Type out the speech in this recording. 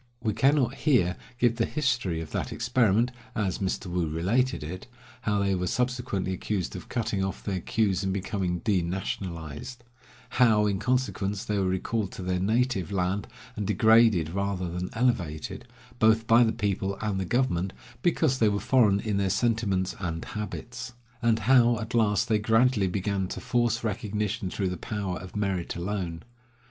We cannot here give the history of that experiment, as Mr. Woo related it — how they were subsequently accused of cutting off their queues and becoming denationalized; how, in consequence, they were recalled to their native land, and degraded rather than elevated, both by the people and the government, because they were foreign in their sentiments and habits; and how, at last, they gradually began to force recognition through the power of merit alone.